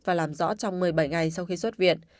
và làm rõ trong một mươi bảy ngày sau khi xuất viện